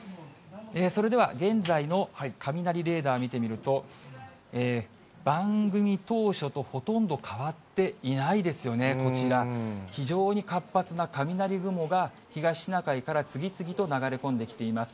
それでは、現在の雷レーダーを見てみると、番組当初とほとんど変わっていないですよね、こちら、非常に活発な雷雲が東シナ海から次々と流れ込んできています。